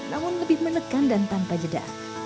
namun lebih menekan dan tanpa jeda